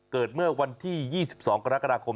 เกิดเมื่อวันที่๒๒กรกฎาคม